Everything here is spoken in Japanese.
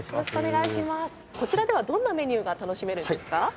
こちらではどんなメニューが楽しめるんですか？